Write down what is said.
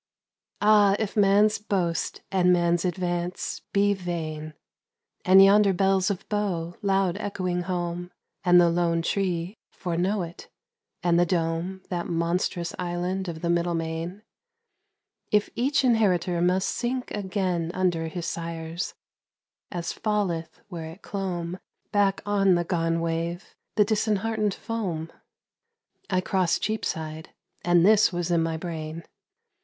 Ah, if man's boast and man's advance be vain! And yonder bells of Bow, loud echoing home, And the lone Tree, foreknow it, and the Dome, That monstrous island of the middle main; If each inheritor must sink again Under his sires, as falleth where it clomb Back on the gone wave the disheartened foam?— I crossed Cheapside, and this was in my brain.